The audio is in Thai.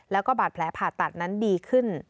แล้วก็บาดแผลผ่าตัดนั้นดีขึ้น